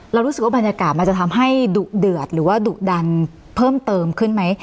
รู้สึกว่าบรรยากาศมันจะทำให้ดุเดือดหรือว่าดุดันเพิ่มเติมขึ้นไหม